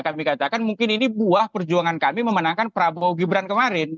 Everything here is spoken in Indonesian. kami katakan mungkin ini buah perjuangan kami memenangkan prabowo gibran kemarin